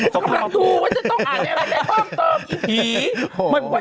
กำลังดูว่าจะต้องอ่านอะไร